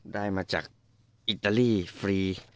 ได้มาจากอิตาลีฟรี